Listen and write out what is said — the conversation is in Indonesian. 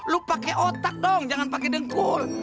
lu pakai otak dong jangan pakai dengkul